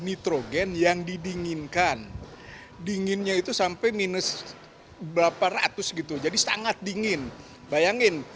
nitrogen yang didinginkan dinginnya itu sampai minus berapa ratus gitu jadi sangat dingin bayangin